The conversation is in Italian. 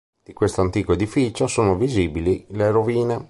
Di questo antico edificio sono visibili le rovine.